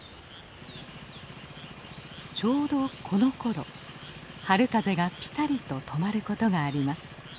ちょうどこのころ春風がぴたりと止まることがあります。